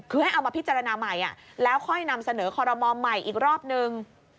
คือให้เอามาพิจารณาใหม่แล้วค่อยนำเสนอคอรมอลใหม่อีกรอบนึง